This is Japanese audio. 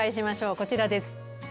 こちらです。